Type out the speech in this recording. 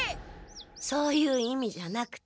そういう意味じゃなくて。